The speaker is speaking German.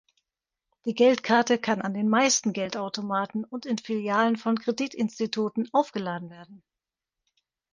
Die Geldkarte kann an den meisten Geldautomaten und in Filialen von Kreditinstituten aufgeladen werden.